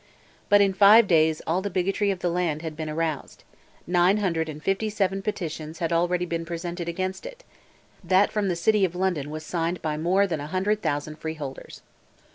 But in five days all the bigotry of the land had been aroused; nine hundred and fifty seven petitions had already been presented against it; that from the city of London was signed by more than "an hundred thousand freeholders."